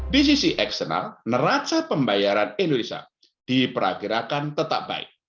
di sisi eksternal neraca pembayaran indonesia diperkirakan tetap baik